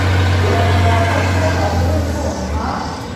Urashaka ko ahubwo ntaha?